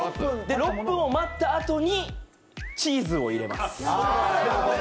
６分を待ったあとに、チーズを入れます。